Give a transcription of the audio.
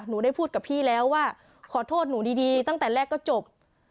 หนูได้พูดกับพี่แล้วว่าขอโทษหนูดีตั้งแต่แรกก็จบ